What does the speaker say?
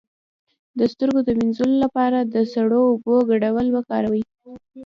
د سترګو د مینځلو لپاره د سړو اوبو ګډول وکاروئ